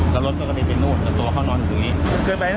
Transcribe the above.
แล้วรถก็ก็ไม่เป็นนู่นเพราะตัวเขาหนอถึงตรงนี้